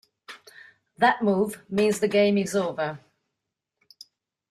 That move means the game is over.